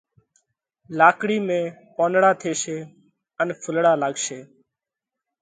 لاڪڙِي ۾ پونَڙا ٿيشي ان ڦُولڙا لاڳشي۔